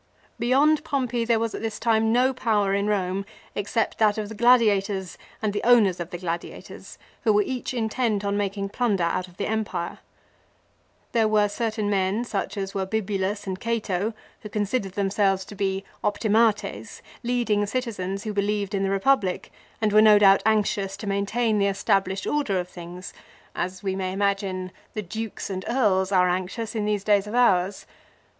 Beyond Pompey there was at this time no power in Romp, except that of the MILO. 77 gladiators and the owners of the gladiators who were each intent on making plunder out of the empire. There were certain men such as were Bibulus and Cato who considered themselves to be "optimates," leading citizens who believed in the Eepublic, and were no doubt anxious to maintain the established order of things, as we may imagine the dukes and earls are anxious in these days of ours.